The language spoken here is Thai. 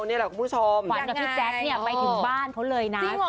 วันพี่แจ็คนั้นไปถึงบ้านเขาเลยนะ